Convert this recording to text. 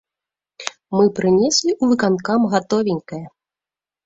Мы прынеслі ў выканкам гатовенькае!